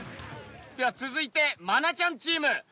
では続いて愛菜ちゃんチーム。